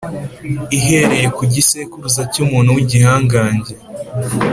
ihereye ku gisekuruza cyumuntu wigihangange